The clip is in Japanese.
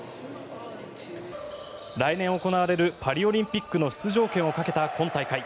来年行われるパリオリンピックの出場権をかけた今大会。